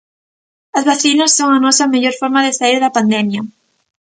As vacinas son a nosa mellor forma de saír da pandemia.